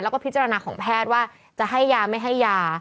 แล้วก็พิจารณาของแพทย์ว่าจะให้ยาไม่ให้ยา